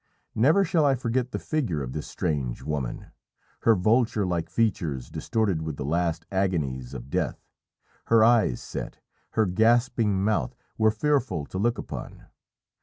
Never shall I forget the figure of this strange woman; her vulture like features distorted with the last agonies of death, her eyes set, her gasping mouth, were fearful to look upon.